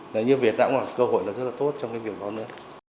như việt nam có cơ hội rất là tốt trong cái việc đó nữa